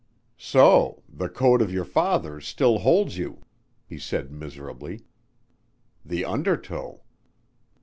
"So, the code of your fathers still holds you," he said miserably. "The undertow."